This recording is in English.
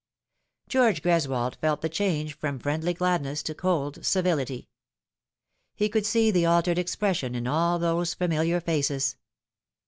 George Greswold felt the change from friendly gladness to cold civility. He could see the altered expression in all those familiar faces.